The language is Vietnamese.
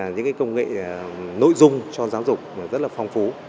những công nghệ nội dung cho giáo dục rất là phong phú